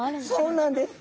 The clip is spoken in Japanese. そうなんです。